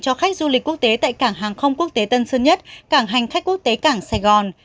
cho khách du lịch quốc tế tại cảng hàng không quốc tế tân sơn nhất cảng hành khách quốc tế cảng sài gòn